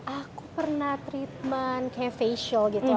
aku pernah treatment kayak facial gitu